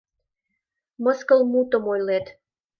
— Мыскыл мутым ойлет.